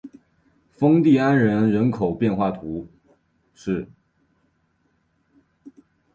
丰蒂安人口变化图示